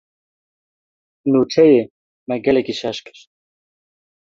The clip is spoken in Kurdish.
Nûçeyê, me gelekî şaş kir.